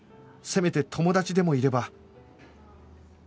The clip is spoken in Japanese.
せめて友達でもいれば